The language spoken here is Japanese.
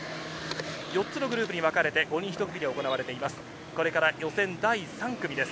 ４つのグループに分かれて５人１組で行われています。